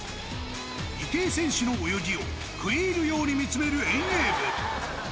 池江選手の泳ぎを食い入るように見つめる遠泳部。